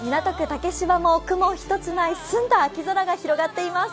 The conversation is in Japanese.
竹芝も雲一つない澄んだ秋空が広がっています。